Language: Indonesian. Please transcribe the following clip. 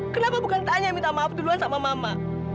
kenapa harus mama minta maaf duluan sama mama